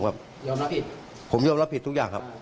ยอมรับผิดผมยอมรับผิดทุกอย่างครับ